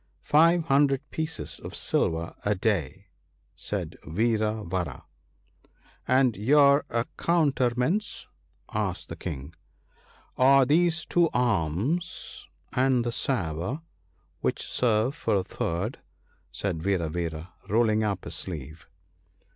1 Five hundred pieces of silver a day,' said Vira vara. ' And your accoutrements ?' asked the King. 1 Are these two arms, and this sabre, which serve for a third/ said Vira vara, rolling up his sleeve.